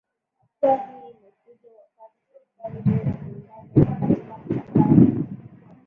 hatua hii imekuja wakati serikali hiyo ya muungano iko katika mchakato